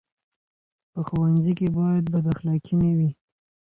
په ښوونځي کې باید بد اخلاقي نه وي.